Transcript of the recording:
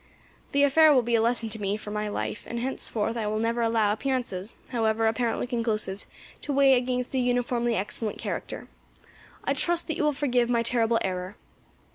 The affair will be a lesson to me for my life, and henceforth I will never allow appearances, however apparently conclusive, to weigh against a uniformly excellent character. I trust that you will forgive my terrible error."